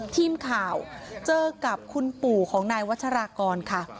ทีมข่าวเจอกับคุณปู่ของนายวัชรากรค่ะ